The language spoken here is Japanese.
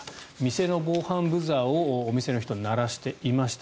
店の防犯ブザーをお店の人が鳴らしていました。